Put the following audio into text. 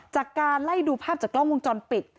จากการไล่ดูภาพจากกล้องวงจรปิด